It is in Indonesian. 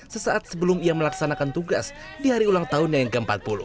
sesaat sebelum ia melaksanakan tugas di hari ulang tahunnya yang ke empat puluh